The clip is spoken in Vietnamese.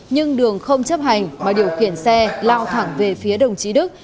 nhưng đường không chấp hành mà điều khiển xe lao thẳng về phía đồng chí đức